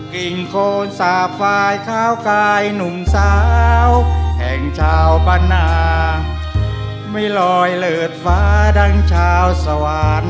กิ่งโคนสาบไฟข้าวกายหนุ่มสาวแห่งชาวบ้านนาไม่ลอยเลิศฟ้าดังชาวสวรรค์